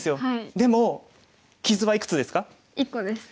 でも傷はいくつですか？